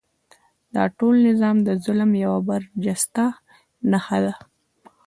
دا د ټول نظام د ظلم یوه برجسته نښه ده.